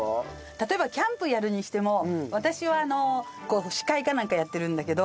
例えばキャンプやるにしても私はこう司会かなんかやってるんだけど。